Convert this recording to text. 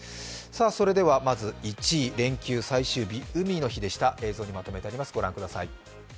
それでは、まず１位、連休最終日、海の日でした、映像にまとめてあります。